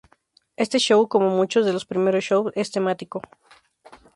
Este show, como muchos de los primeros shows, es temático.